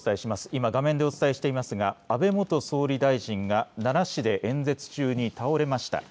今画面でお伝えしていますが安倍元総理大臣が奈良市で演説中に倒れました。